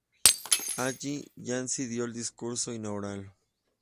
Allí, Yancy dio el discurso inaugural.